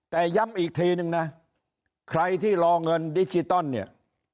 แต่ย้ำอีกทีนึงนะใครที่รอเงินดิจิตอลเนี่ย